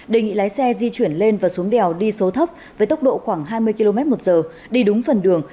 đề nghị lái xe di chuyển lên và xuống đèo đi số thấp với tốc độ khoảng hai mươi km một giờ đi đúng phần đường